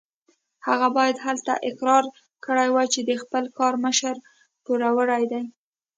هغه باید هلته اقرار کړی وای چې د خپل کار مشر پوروړی دی.